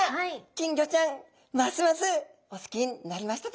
金魚ちゃんますますお好きになりましたでしょうか？